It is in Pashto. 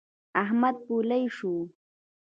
احمد پولۍ شو.